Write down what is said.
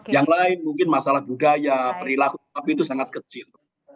yang lain mungkin masalah budaya perilaku tapi itu sangat kecil